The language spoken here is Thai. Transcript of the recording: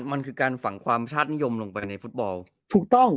มันคือการสั่งความชาตนิยมลงไปในฟุตบอล